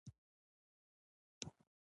تخفیف د نوي پیرودونکو جذب کوي.